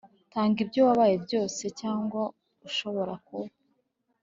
tanga ibyo wabaye byose, cyangwa ushobora kuba.